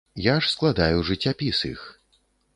Я ж складаю жыццяпіс іх.